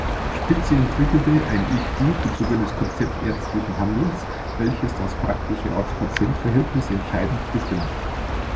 Spitzy entwickelte ein Ich-Du-bezogenes Konzept ärztlichen Handelns, welches das praktische Arzt-Patient-Verhältnis entscheidend bestimmt.